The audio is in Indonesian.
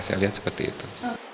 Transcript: saya lihat seperti itu